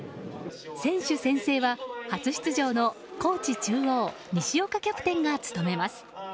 選手宣誓は初出場の高知中央西岡キャプテンが務めます。